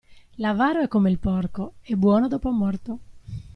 L'avaro è come il porco, è buono dopo morto.